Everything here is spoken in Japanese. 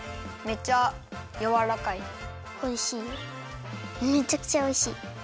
めちゃくちゃおいしい。